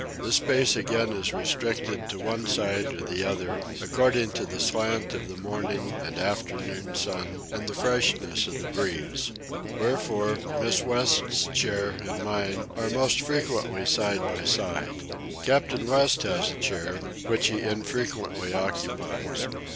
This space again is restricted to one side or the other according to the slant of the morning and afternoon sun and the freshness of the breeze. Wherefore, Miss West's chair and mine are most frequently side by side. Captain West has a chair, which he infrequently occupies.